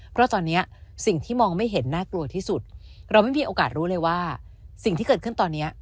เพราะตอนนี้สิ่งที่มองไม่เห็นน่ากลัวที่สุดเราไม่มีโอกาสรู้เลยว่าสิ่งที่เกิดขึ้นตอนนี้